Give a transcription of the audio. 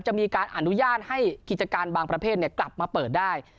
จะมีการอนุญาตให้กิจการบางประเภทกลับมาเปิดได้